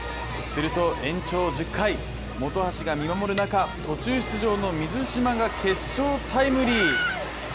すると延長１０回、本橋が見守る中、途中出場の水島が決勝タイムリー。